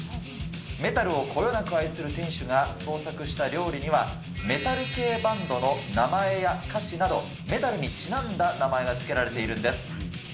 メタルをこよなく愛する店主が創作した料理には、メタル系バンドの名前や歌詞など、メタルにちなんだ名前が付けられているんです。